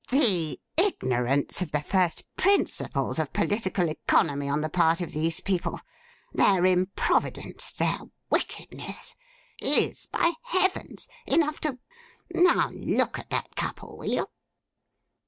The ignorance of the first principles of political economy on the part of these people; their improvidence; their wickedness; is, by Heavens! enough to—Now look at that couple, will you!